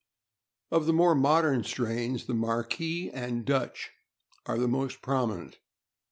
Of the more modern strains, the Marquis and Dutch are the most prominent.